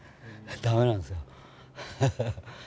ダメなんですよ。